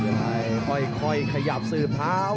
เบียไทยค่อยขยับซื้อพร้าว